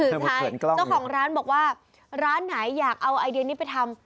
ใช่เจ้าของร้านบอกว่าร้านไหนอยากเอาไอเดียนี้ไปทำ